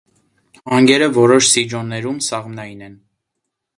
Հանգերը որոշ սիջոներում «սաղմնային» են։